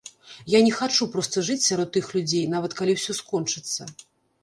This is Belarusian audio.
Я не хачу проста жыць сярод тых людзей, нават калі ўсё скончыцца.